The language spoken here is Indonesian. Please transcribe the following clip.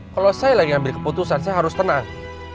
kalau saya lagi ambil keputusan saya harus tenang